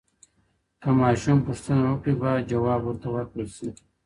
که ماشوم پوښتنه وکړي باید ځواب ورته ورکړل سي.